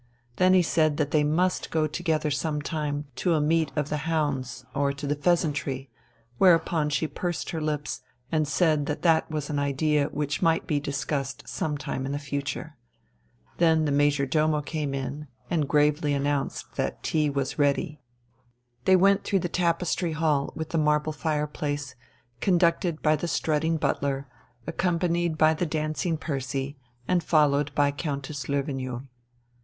Then he said that they must go together some time to a meet of the hounds or to the "Pheasantry," whereupon she pursed her lips and said that that was an idea which might be discussed some time in the future. Then the major domo came in and gravely announced that tea was ready. They went through the tapestry hall with the marble fireplace, conducted by the strutting butler, accompanied by the dancing Percy, and followed by Countess Löwenjoul.